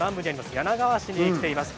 柳川市に来ています。